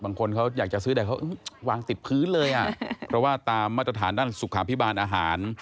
บางคนเขาอยากจะซื้อแต่เขาวางติดพื้นเลยอ่ะเพราะว่าตามมาตรฐานด้านสุขาพิบาลอาหาร